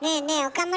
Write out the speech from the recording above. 岡村。